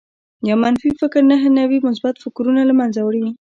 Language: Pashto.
يو منفي فکر نهه نوي مثبت فکرونه لمنځه وړي